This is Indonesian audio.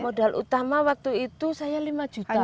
modal utama waktu itu saya lima juta